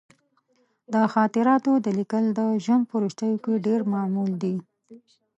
د خاطراتو لیکل د ژوند په وروستیو کې ډېر معمول دي.